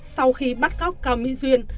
sau khi bắt cóc cao mỹ duyên